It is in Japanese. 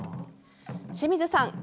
清水さん